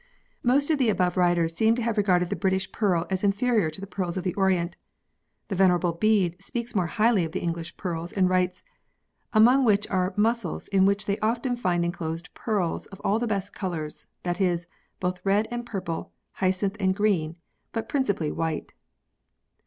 Most of the above writers seem to have regarded the British pearl as inferior to the pearls of the Orient. The Venerable Bede speaks more highly of the English pearls, and writes :" among which are mussels in which they often find enclosed pearls of all the best colours that is, both red and purple, jacynth and green, but principally white."